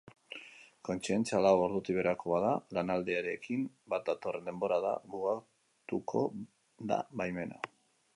Kointzidentzia lau ordutik beherako bada, lanaldiarekin bat datorren denborara mugatuko da baimena.